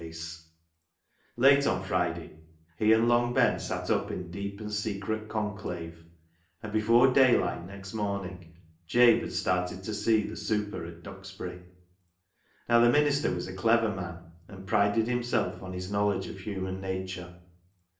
288 CLOG SHOP CHRONICLES Late on Friday he and Long Ben sat up in deep and secret conclave, and before daylight next morning Jabe had started to see the " super " at Duxbury. Now, the minister was a clever man, and prided himself on his knowledge of human nature.